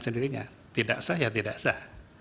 sendirinya tidak sah ya tidak sah